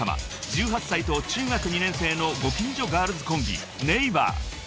［１８歳と中学２年生のご近所ガールズコンビ］